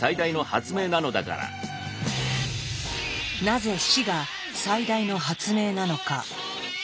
なぜ死が最大の発明なのか。